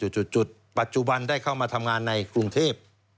จุดปัจจุบันได้เข้ามาทำงานในกรุงเทพ